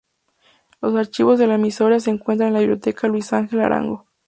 Los archivos de la emisora se encuentran en la Biblioteca Luis Ángel Arango.